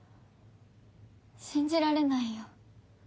信じられないよ。